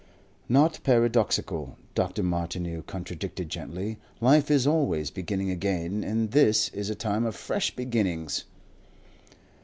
"Not paradoxical," Dr. Martineau contradicted gently. "Life is always beginning again. And this is a time of fresh beginnings."